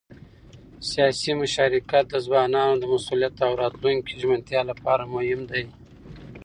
سیاسي مشارکت د ځوانانو د مسؤلیت او راتلونکي د ژمنتیا لپاره مهم دی